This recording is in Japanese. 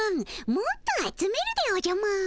もっと集めるでおじゃマーン。